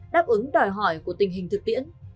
đáp ứng đòi hỏi của tình hình thực tiễn